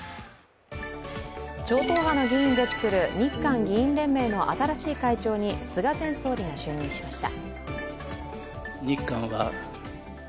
超党派の議員で作る日韓議員連盟の新しい会長に菅前総理が就任しました。